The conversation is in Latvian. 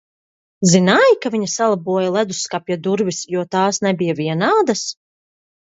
Zināji, ka viņa salaboja ledusskapja durvis, jo tās nebija vienādas?